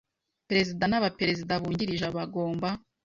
Perezida n aba Perezida bungirije bagomba